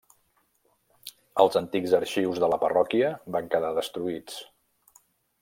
Els antics arxius de la parròquia van quedar destruïts.